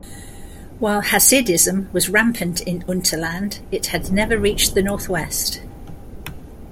While hasidism was rampant in Unterland, it had never reached the northwest.